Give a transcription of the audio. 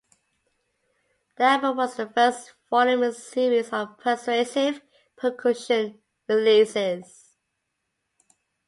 The album was the first volume in a series of "Persuasive Percussion" releases.